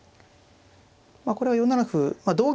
まあこれは４七歩まあ